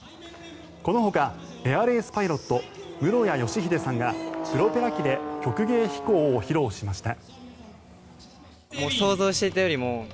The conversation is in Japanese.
このほかエアレースパイロット室屋義秀さんがプロペラ機で曲芸飛行を披露しました。